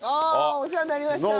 お世話になりました。